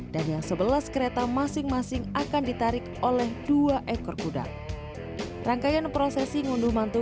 dan yang sebelas kereta masing masing akan ditarik oleh dua ekor kuda rangkaian prosesi ngunduh mantu